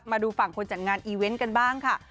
มาดูฝั่งคนจัดงานอีเวนต์กันบ้างค่ะ